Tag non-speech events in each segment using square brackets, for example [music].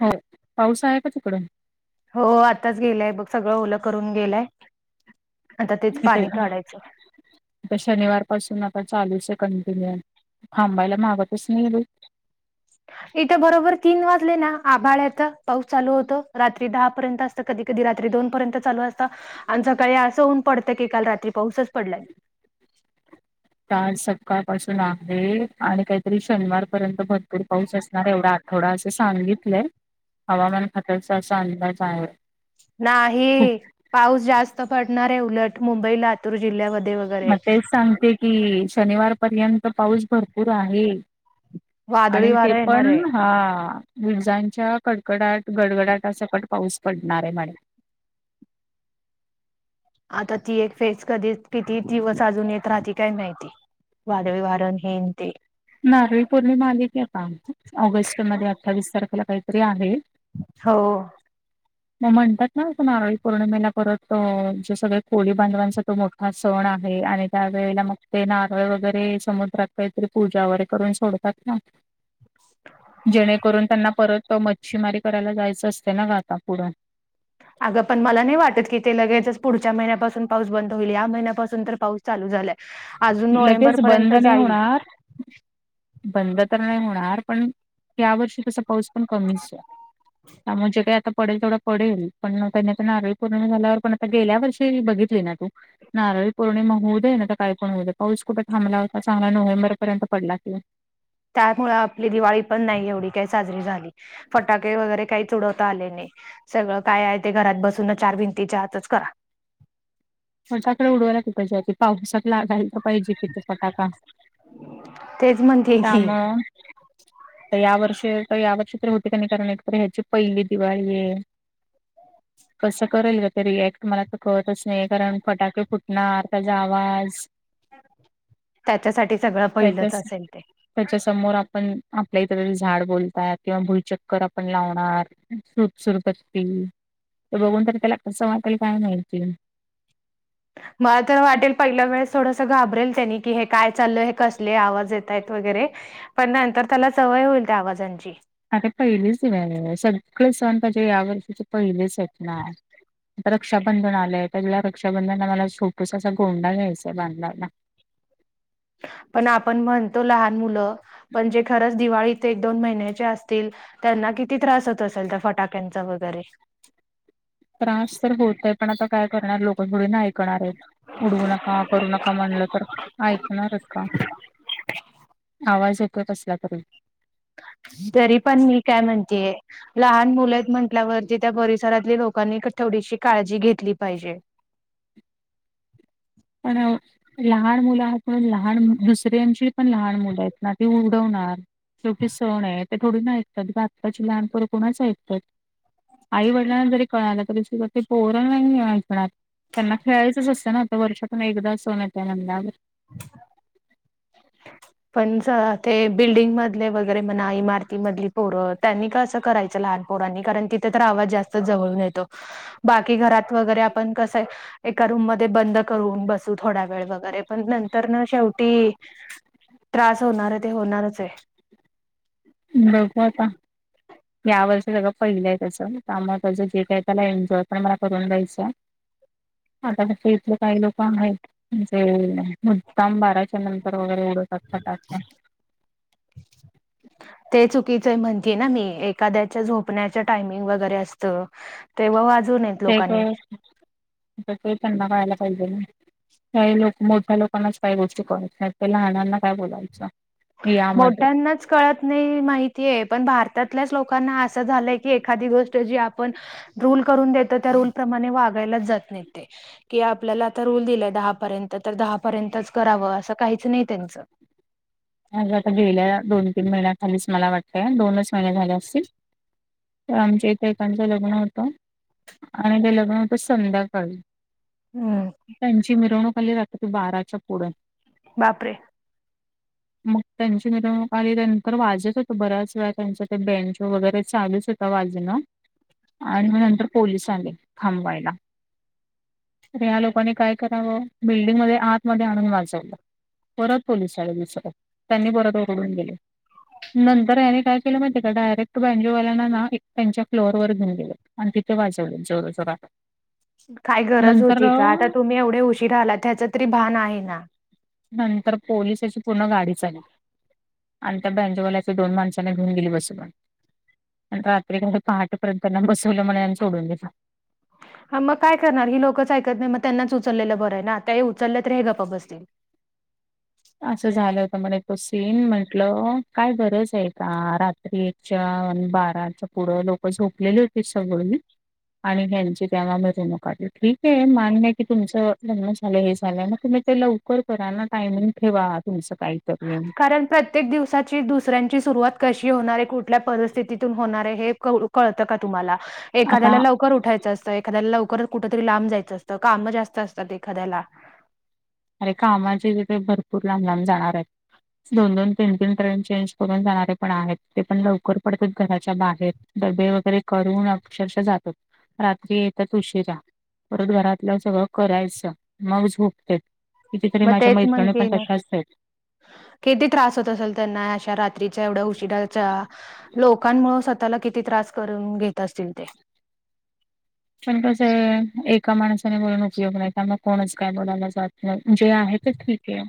हो. पाऊस आहे का तिकडं? हो. आताच गेलाय बघ. सगळं ओलं करून गेलाय. आता तेच इथे पाणी काढायचं. आता शनिवार पासून आता चालूच आहे. कंटिन्यू थांबायला मागतच नाही रे. इथे बरोबर तीन वाजले ना, आभाळ येतं पाऊस चालू होतो. रात्री दहा पर्यंत अस. कधी कधी रात्री दोन पर्यंत चालू असतं. आणि सकाळी असं होऊन पडतं की काल रात्री पाऊसच पडलाय. आज सकाळपासून आहे. आणि काहीतरी शनिवार पर्यंत भरपूर पाऊस असणार एवढा आलय. थोडा असं सांगितलंय. हवामान खात्याचा असा अंदाज आहे. खूप नाही. पाऊस जास्त पडणार आहे. उलट मुंबई, लातूर जिल्ह्यामध्ये वगैरे मग तेच सांगते कि, शनिवार पर्यंत पाऊस भरपूर आहे. वादळी आणि ते वारं येणार पण आहे हा, विजांच्या कडकडाट, गडगडाट सकट पाऊस पडणार आहे. मॅडम आता ती एक फेस कधी किती दिवस अजून येत राहते काय माहिती. वादळी वार आन हेन ते नारळी पौर्णिमा आली क आहे का ऑगस्ट मध्ये अठ्ठावीस तारखेला काहीतरी आहे हो मग म्हणतात ना अस नारळी पौर्णिमेला परत जे सगळे कोळी बांधवांचा तो मोठ हा सण आहे आणि त्यावेेळेला मग ते नारळ वगैरे समुद्रात काहीतरी पूजा व करून सोडतात ना जेणेकरून त्यांना परत म शिमारी करायला जायचं असतें ना ग आता पुढं अगं पण मला नाही वाटत की ते लगेच पुढच्या महिन्यापासून पाऊस बंद होईल या महिन्यापून तर पाऊस चालू झाल्या अजून नोव्हेंबर लगेच पर्यंत बंद नाही जाईल होणार, बंद तर नाही होणार पण या वर्षी तसा पाऊस प कमीचमुळे जे काही आता पडेल थोडं पडेल पण त्यांनी आ नारळी पूर्ण झाल्यावर पण आता गेल्या वर्षी बघितली ना तू नारळी पौर्णिमा होऊ दे ना तर काही पण होऊ दे पाऊस कुठे थांबला होता चांगला नोव्हेंबर पर्यंत पडला किवा त्यामु आपली दिवाळी पण नाही एवढी काही साजरी झाली फटाके वगैरे काहीच उडवता आले नाही सगळं काय आहे ते घरात बसून चार भिंतीच्या आतच करा मजाकडे उडवाय ला क पाहिजे पावसातला घायला पाहिजे किथ फटाका तेज म्हणंद काम या वर्ष या वर्षी तरी होते का नाही कारण एक ह्याची पहिली दिवाळी आहे [unintelligible] कसं करेल का ते रिएक्ट मला तर करतच नाही कारण फटाके फुटणार त्याचा आवाज त्याच्यासाठी सगळं त्याच्या पहिलंच असेल ते त्याच्या समोर आपण आपल्या इतररी झाड बोलतात किंवा भुलचक्कर आ पू लावणार सुप सुरप अस ते बघून तर त्याला कसं वाटेल काय मिहिती मला तर वाटेल पहिल्या वेळेस थोडसं घाबरेल त्यांनी की हे काय चाललं हे कसले आवाज येत आहेत वगैरे पण नाहींतर त्याला सवय होईल त्या आवाजांची अरे पहिलेच सगळे सण पाहिजे या वर्षीचे पहिलेच आहेत ना आता रक्षाबंधन आलंय त्यावेला रक्षाबंधनला मला छोटसा असा गोंडा घ्यायचाय बांधायला पण आपण म्हणतो लहान मुलं पण जे खरंच दिवाळीथ एक दोन महिन्याच्या असतील त्यांना किती त्रास होत असेल त्या फटाक्यांचा वगैरे त्रास तर होतय पण आता काय करणार लोकां पु ऐणार उडवू नका करू नका म्हणलं तर ऐकणार का आवाज यो कसला तरी तरी पण मी काय म्हणतेय लहान मुलं आहेत म्हटल्यावरती त्या परिसरातल्या लोकांनी थोडीशी काळजी घेतली पाहिजे पण लहान मुलं आहेत पणून लहान दुसऱ्यांशी पण लहान मुलं आहेत ना ती उडवणार शेवटी सण आहे ते थोडी ना ऐकतात घातकाची लहानपण कोुणाच ऐकतात आई वडिलांना जरी कळालं तरी पोरण नाही ऐणार त्यांना खेळायचंच असतं ना आता वर्षातून एकदा असण य त्या नंदावर ह पण ते बिल्डिंग मधले वगैरे म्हणा इमारतीमधली पोरं त्यांनी का असं करायचं लहान ण तिथे तर आवाज जास्त जवळून येतो बाकी घरात वगैरे आपण कसंय एका रूम मध्ये बंद करून बसू थोडा वेळ वगैरे पण नंतर ना शेवटी त्रास होणार आहे ते होणारच आहे बपता या वर्ष सगळं पहिलंय तसं त्यामुळे त्याचं गेट आहे त्याला एन्जॉय पण मला करून द्यायचं आता तसं इथले काही लोक आहेत म्हणजे मुद्दाम बाराच्या नंतर वगैरे उडतात टा [unintelligible] [unintelligible] ते चुकीचं म्हणती ना मी एखाद्याच्या झोपण्याच टायमिंग वगैरे असत [unintelligible] तेव्हा वाज ते काय, आता ते त्यांना कळायला पाहिजे ना. काही लोक मोठ्या लोकांनाच काही गोष्टी कळत नाही. ते लहन्यांना काय बोलायच. मोठ्यांनाच कळत नाही माहितीय. पण भारतातल्याच लोकांना अस झालय की एखादी गोष्ट जी आपण रूल करून देतात त्या रूलप्रमाणे वागायलाच जात नाहीेत ते. कि आपल्याला आता रूल दिलाय दहापर्यंत तर दहापर्यंतच कराव. अस काहीच नाही त्यांच. अ आता गेल्या दोन तीन महिन्याखालीच मला वाटत दोनच महिने झाले असतील. तर आमच्या इथे एकांच लग्न होत. आणि ते लग्न होतं संध्याकाळी. हम्म त्यांची मिरवणूक आली रात्री बाराच्या पुढे. बापरे मग त्यांची मिरवणूक आली. नंतर वाजत होतो बऱ्याच वेळा त्यांच ते बेंजो वगैरे चालूच होत. वाजन आणि म नंतर पोलीस आले थांबवायला. तर या लोकांनी काय कराव, बिल्डिंग मध्ये आतमध्ये आणून वाजवल. परत पोलिस आले म. त्यांनी परत ओरडून गेले. नंतर याने काय केलं माहितीय का? डायरेक्ट बॅनजोवाल्यांना ना त्यांच्या फ्लोअरवर घेऊन गेलेत. आणि तिथे वाजवल जोर जोरात. काय गरज नंतर होती अ, का. आता तुम्ही एवढे उशीर आलात त्याचा तरी भान आहे ना. नंतर पोलिसाची पूर्ण गाडीच आली. आणि त्या बँनजोवल्यांच्या दोन माणसांना घेऊन गेली बसवून. आणि रात्री का पहाटपर्यंत त्यांना बसवल म्हणे. आणि सोडून दील. हा मग काय करणार ही लोकच ऐकत नाही. मग त्यांनाच उचललेलं बरं आहे ना. आता हे उचललं तर हे गप्प बसतील. अस झाल होत म्हणे तो सीन. म्हटल काय गरज आहे का रात्री च्या आणि बाराच्या पुढं लोक झोपलेली होती सगळी आणि ह्यांची तेव्हा मिरवणूक आली. ठीक आहे मान्य आहे की तुमचं लग्न झाल. हे झालय. मग तुम्ही ते लवकर करा ना. टायमिंग ठेवा तुमच काहीतरी. कारण प्रत्येक दिवसाची दुसऱ्यांची सुरुवात कशी होणार आहे. कुठल्या परिस्थितीतून होणार आहे. हे कळत का तुम्हाला? एखाद्याला आता लवकर उठायचं असत. एखाद्याला लवकर कुठ तरी लांब जायच असत. काम जास्त असतात एखाद्याला. अरे कामाचे जे भरपूर लांब लांब जाणार आहेत. दोन दोन तीन तीन ट्रेन चेंज करून जाणारे पण आहेत. ते पण लवकर पडतात घराच्या बाहेर. डबे वगैरे करून अक्षरशः जातात. रात्री येतात उशिरा. परत घरातलं सगळं करायच. मग झोपत्यात. कितीतरी मग माझ्या तेच मैत्रणी पण म्हणतेय ना, तशाच आहेत. किती त्रास होत असेल त्यांना अशा रात्रीच्या एवढ्या उशिराच्या लोकांमुळे स्वतःला किती त्रास करून घेत असतील ते. पण कस आहे एका माणसाने बोलून उपयोग नाही. त्यामुळे कोणच काय बोलायला जात नाही. जे आहेत ते ठीक आहे.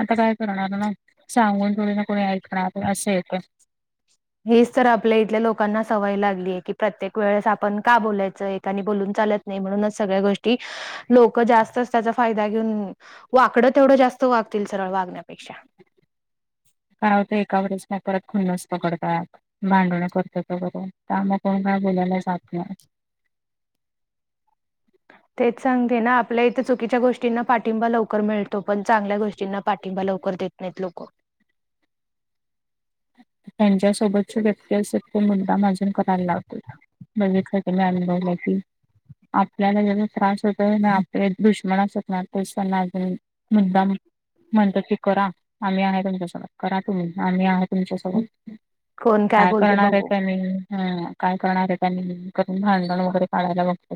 आता काय करणार ना. सांगून थोडी ना कोणी ऐकणार. अस येत. हेच तर आपल्या इथल्या लोकांना सवय लागली आहे की, प्रत्येक वेळेस आपण का बोलायच. एकाने आणि बोलून चालत नाही म्हणूनच सगळ्या गोष्टी लोक जास्तच त्याचा फायदा घेऊन वाकडं तेवढं जास्त वागतील सरळ वागण्यापेक्षा. काय होत एका वेळेस नाही. परत खुन्नस पकडतात. भांडण करतात बर त्यामुळे कोण काय बोलायला जात नाही. तेच सांगते ना. आपल्या इथं चुकीच्या गोष्टींना पाठिंबा लवकर मिळतो. पण चांगल्या गोष्टींना पाठिंबा लवकर देत नाहीत लोक. त्यांच्यासोबतची व्यक्ती असे ते मुद्दाम आझून करायला लावते. बघितल की मॅम बोलती. आपल्याला ज्याचा त्रास होतोय ना. आपल्या दुश्मना असतणार पैसांना अजून मुद्दाम म्हणतात की करा आम्ही आहे तुमच्यासोबत करा तुम्ही आम्ही आहात तुमच्या स कोण काय बोलते करणार आहे बघू त्या मी हा काय करणार आहे त्यांनी करून भांडण वगैरे काढायला बघत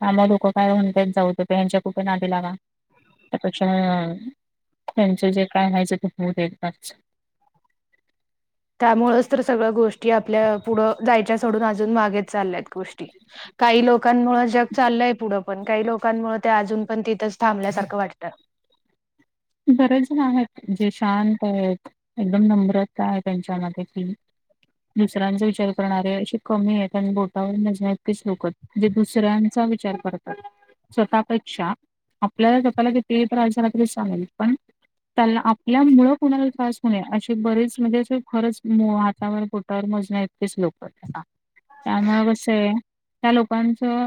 काम लोकं काय म्हणतात जाऊतो प यां्यांच्या कुठे आधदी लागा त्यापेक्षा त्यांच जे काय व्हायचं ते होऊ दे त्यामुळेच तर सगळ्या गोष्टी आपल्या पुढं जायच्या सोडून अजून मागेच चालल्यात गोष्टी काही लोकांमुळे जग चाललंय पुढं पण काही लोकांमुळेळ ते अजून पण तिथंच थांबल्यासारखं वाटतं बरे जण आहेत जे शांत आहेत एकदम नम्रता आहे त्यांच्यामध्ये की दुसऱ्यांचा विचार करणारे अे कमी आहे आणि बोटावर नजल्यातकीेच लोक जे दुसऱ्यांचा विचार करतात स्वतःपेक्षा आपल्याला स्वतःला कितीेही तर राजजारातील चालेल पण त्या आपल्या मुळ कुणाला त्रास होणेये अशी बरेच म्हणजे अस खरंच हातावर पोटावर मज नाही च लोक त्यामु कस आहे त्या लोकांचं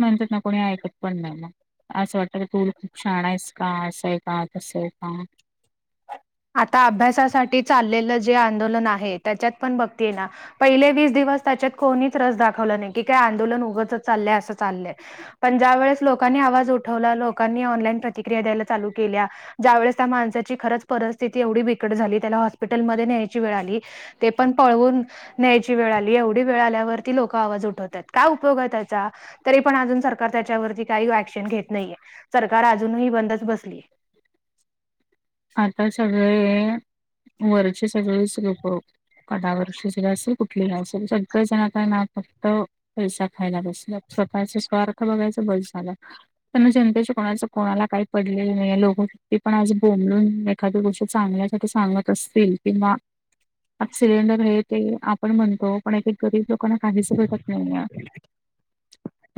म्हणतात ना कोणी ऐकत पण नाही मग असं वाटतं तू खूप छान आहेस का असं आहे हां त सल का आता अभ्यासासाठी चाललेलं जे आंदोलन आहे त्याच्यात पण बघते ये ना पहिले वीस दिवस त्याच्यात कोणीच रस दाखवला नाही की काय आंदोलन उगंच चाललंय असं चाललंय पण ज्या वेळेस लोकांनी आवाज उठवला लोकांनी ऑनलाईन प्रतिक्रिया द्यायला चालू केल्या ज्यावेेळेस त्या माणसाची खरंच परिस्थिती एवढी बिकट झाली त्याला हॉस्पिटलमध्येध्ये न्यायची वेळ आली ते पण पळवून न्यायची वेळ आली एवढी वेळ आल्यावरती लोक आवाज उठवतात काय उपयोग आहे त्याचा तरी पण अजून सरकार त्याच्यावरती काही ऍक्शन घेत नाहीये सरकार अजून ही बंदच बसलीय आता सगळे वरचे सगळेच गप कड वर्षीची रा असल कुठली रा असेल सगळ जण का ना फक्त पैसा खाला बैसेत पसे सर बघायच बस झालं प जनतेच्या कोणाच कोणाला काही पडले नाही लोक्ती पण आ म्हणून एखादी्या गोष्टी चांगल्यासाठी सांगत असतील किंवा आता सिलेंडर आहे ते आपण म्हणतो पण एक एक गरीब लोक क काहीच भेटत नाही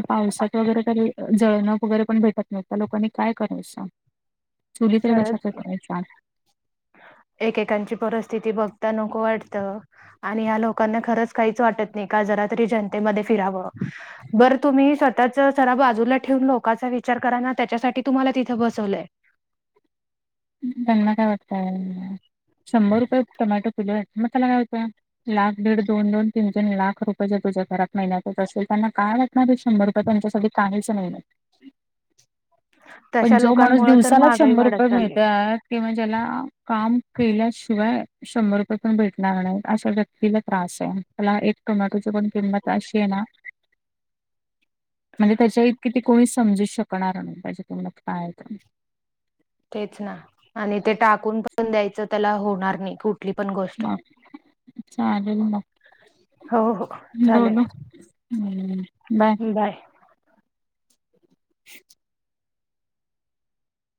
पावसात वगरे जळणं वगैरे पण भेटत नाही्ह त्या लोकांनी काय करायचं चुली तर खरच कशाच्या करायच्या? एकेकांची परिस्थिती बघता नको वाटत आणि ह्या लोकांना खरंच काहीच वाटत नाही का जरा तरी जनतेमध्ये फिरावं बरं तुम्ही स्वतःच सरा बाजूला ठेवून लोकांचा विचार करा ना त्याच्यासाठी तुम्हाला तिथे बसवलंय त्यांना काय वाटतंय शंभर रुपये टोमॅटो किलो आहे मग त्याला काय होतोय लाख दीड दोन दोन तीन तीन लाख रुपये जे तुझ्या घरात महिन्यातच असेल त्यांना का वाट रे शंभर रुपये त्यांच्यासाठी काहीच नाही [unintelligible] [unintelligible] पण तशा जो माणूस लोकांमुळे तर दिवसालाच महागाई शंभर वाढत रुपये मिळतो [unintelligible] [unintelligible] चालली किंवा ज्याला काम केल्याशिवाय [unintelligible] [unintelligible] शंभर रुपये पण भेटणार नाही अशा व्यक्तीला त्रास आहे मला एक टोमॅटोची पण किंम त अशी आहे ना [unintelligible] म्हणजे त्याच्या इतकीि त कोणी समजू शकणार नाही पाहिजे तुम काय तेच ना आणि ते टाकून पण द्यायचं त्याला होणार नाही कुठली पण गोष्ट मग [unintelligible] चालेल ना हो हो चालेल बोल [unintelligible] [unintelligible] हम्म बा बाय